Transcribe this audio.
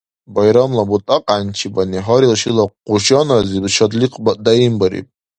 Байрамла бутӀакьянчибани гьарил шила къушаназиб шадлихъ даимбариб.